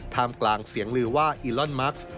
ทำกลางเสียงลือว่าอิลลอนมัคซ์